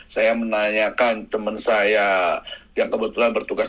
saya menanyakan teman saya yang kebetulan bertugas